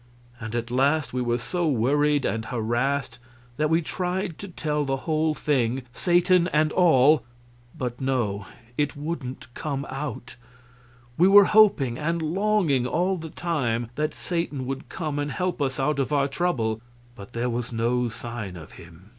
And at last we were so worried and harassed that we tried to tell the whole thing, Satan and all but no, it wouldn't come out. We were hoping and longing all the time that Satan would come and help us out of our trouble, but there was no sign of him.